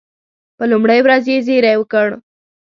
په لومړۍ ورځ یې زېری وکړ.